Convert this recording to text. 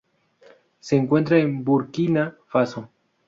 Se encuentra en Burkina Faso.